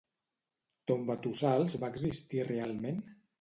Tombatossals va existir realment?